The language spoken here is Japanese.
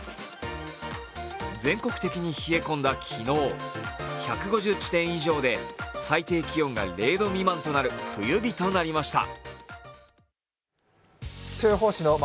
全国的に冷え込んだ昨日、１５０地点以上で最低気温が０度未満となる冬日となりました。